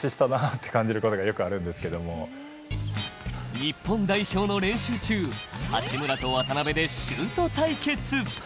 日本代表の練習中、八村と渡邊でシュート対決。